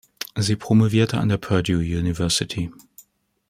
Sie promovierte an der Purdue University.